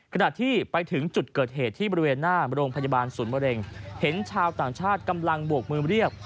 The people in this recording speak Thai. ขณะที่ไปถึงจุดเกิดเหตุที่บริเวณหน้าโรงพยาบาลศูนย์มะเร็งเห็นชาวต่างชาติกำลังบวกมือเรียก